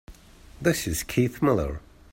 This is Keith Miller.